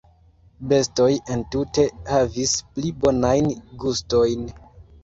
"Bestoj entute havis pli bonajn gustojn."